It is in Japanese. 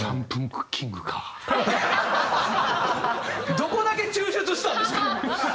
どこだけ抽出したんですか？